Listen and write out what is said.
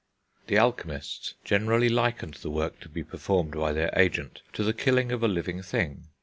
The alchemists generally likened the work to be performed by their agent to the killing of a living thing.